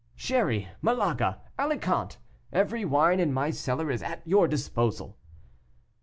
"Sherry, Malaga, Alicant every wine in my cellar is at your disposal."